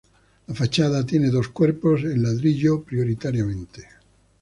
La fachada tiene dos cuerpos en ladrillo prioritariamente.